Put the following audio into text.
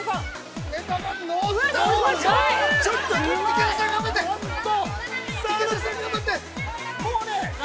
◆池田さん、頑張って。